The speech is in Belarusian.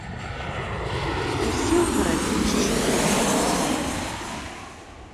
Усе ў гарадзішчы ў тым спалі.